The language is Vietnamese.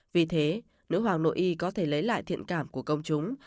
vì thế nữ hoàng nội y có thể lấy lại thiện cảm của công chúng